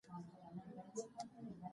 خو اوسني حالات زه ډېره ناهيلې کړې يم.